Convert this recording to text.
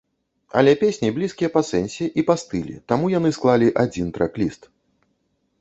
Але песні блізкія па сэнсе і па стылі, таму яны склалі адзін трэк-ліст.